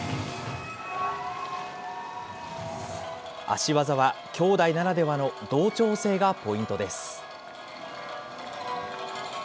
足技はきょうだいならではの同調性がポイントです。